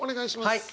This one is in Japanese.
はい。